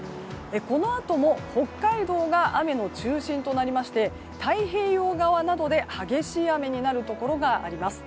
このあとも北海道が雨の中心となりまして太平洋側などで激しい雨になるところがあります。